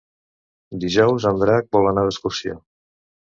Dijous en Drac vol anar d'excursió.